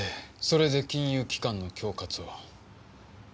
それで金融機関の恐喝を？